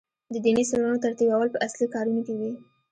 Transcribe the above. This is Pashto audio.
د دیني څېړنو ترتیبول په اصلي کارونو کې وي.